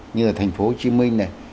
như là thành phố hồ chí minh này